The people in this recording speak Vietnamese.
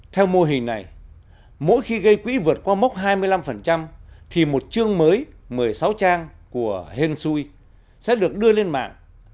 theo mô hình này mỗi khi gây quỹ vượt qua mốc hai mươi năm thì một chương mới một mươi sáu trang của hensui sẽ được đưa lên mạng